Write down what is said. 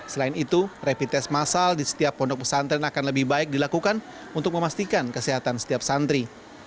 selain itu rapid test masal di setiap pondok pesantren akan lebih baik dilakukan untuk memastikan kesehatan setiap santri